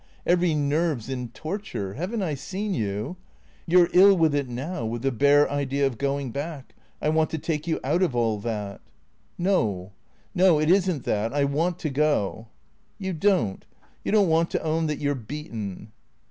Every nerve 's in torture. Have n't I seen you ? You '11 ill with it now, with the bare idea of going back, I want to take you out of all that." " No, no. It is n't that. I want to go." " You don't. You don't want to own that you 're beaten."